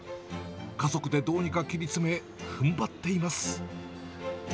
家族でどうにか切り詰め、ふんばっています。